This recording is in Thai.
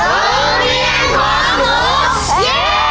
โรงเรียนของหนู